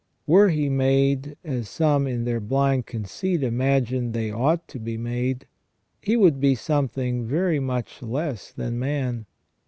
Were he made, as some in their blind conceit imagine they ought to be made, he would be something very much less than man.